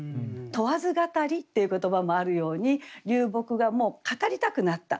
「問わず語り」っていう言葉もあるように流木が語りたくなった。